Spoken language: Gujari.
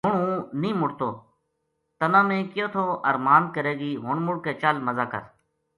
ہن ہوں نہیہ مڑتو تنا میں کہیو تھو ارماند کرے گی ہن مڑ کے چل مزا کر